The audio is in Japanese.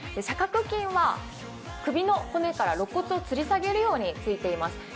斜角筋は首の骨からろっ骨をつり下げるようについています。